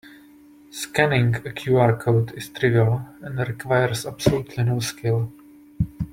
Scanning a QR code is trivial and requires absolutely no skill.